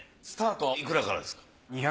スタートはいくらからですか？